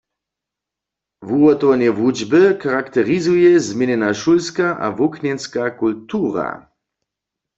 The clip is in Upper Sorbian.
Wuhotowanje wučby charakterizuje změnjena šulska a wuknjenska kultura.